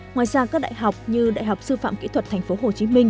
ngoài ra các đại học như đại học sư phạm kỹ thuật tp hcm